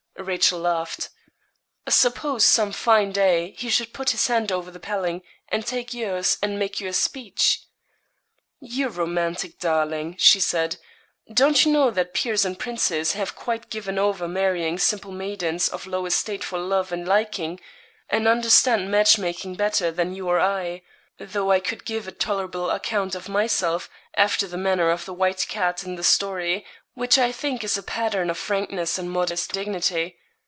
Rachel laughed. 'Suppose, some fine day, he should put his hand over the paling, and take yours, and make you a speech.' 'You romantic darling,' she said, 'don't you know that peers and princes have quite given over marrying simple maidens of low estate for love and liking, and understand match making better than you or I; though I could give a tolerable account of myself, after the manner of the white cat in the story, which I think is a pattern of frankness and modest dignity.